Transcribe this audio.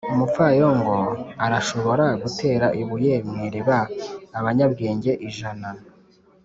umupfayongo arashobora gutera ibuye mu iriba abanyabwenge ijana